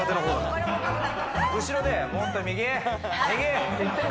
後ろでもっと右、右って。